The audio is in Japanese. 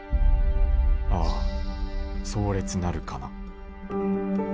ああ壮烈なるかな」。